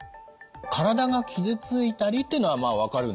「身体が傷ついたり」というのはまあ分かるんですよね。